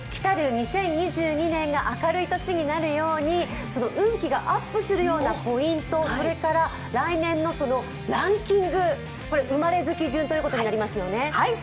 ２０２２年が明るい年になりますようにその運気がアップするようなポイント、それから来年のランキング、生まれ月順ということになりますよね。